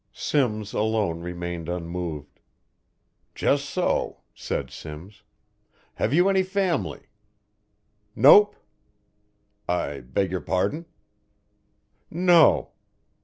Simms alone remained unmoved. "Just so," said Simms. "Have you any family?" "Nope." "I beg your pardon." "No."